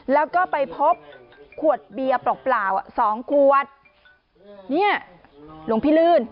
แล้วก็ไปพบขวดเบียร์เปล่าเปล่าอ่ะสองขวดเนี่ยหลวงพี่ลื่น